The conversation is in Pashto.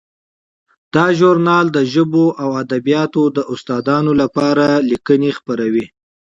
دا ژورنال د ژبو او ادبیاتو د استادانو لپاره لیکنې خپروي.